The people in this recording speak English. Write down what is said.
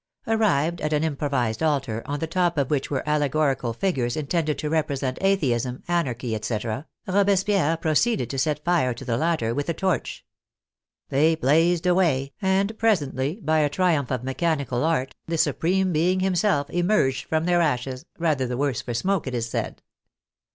Arrived at an improvised altar, on the top of which were allegorical figures intended to represent Atheism, Anarchy, etc., Robespierre proceeded to set fire to the latter with a torch. They blazed away, and presently by a triumph of mechanical art the Supreme Being himself emerged from their ashes, rather the worse for smoke, it is said.